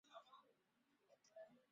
同治六年卒于任。